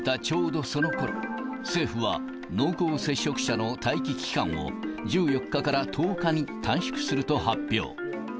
ちょうどそのころ、政府は、濃厚接触者の待機期間を１４日から１０日に短縮すると発表。